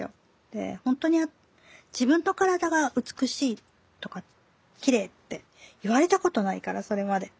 で本当に自分の身体が美しいとかきれいって言われたことないからそれまで。